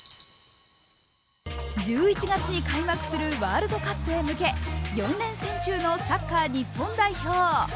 １１月に開幕するワールドカップへ向け４連戦中のサッカー日本代表。